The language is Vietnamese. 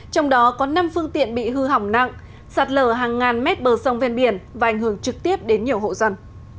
trong đó có năm phương tiện bị hư hỏng nặng sạt lở hàng ngàn mét bờ sông ven biển và ảnh hưởng trực tiếp đến nhiều hộ dân